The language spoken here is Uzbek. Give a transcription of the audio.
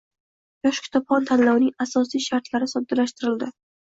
“Yosh kitobxon” tanlovining asosiy shartlari soddalashtirilding